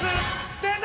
出た！